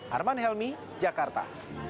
harman helmy jakarta